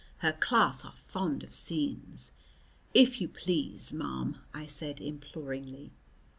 Her class are fond of scenes. "If you please, ma'am!" I said imploringly.